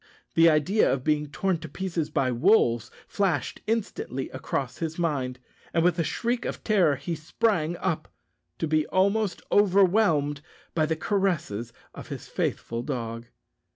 The idea of being torn to pieces by wolves flashed instantly across his mind, and with a shriek of terror he sprang up to be almost overwhelmed by the caresses of his faithful dog.